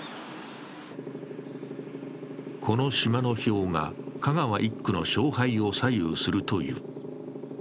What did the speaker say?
この島の票が香川１区の勝敗を左右するという。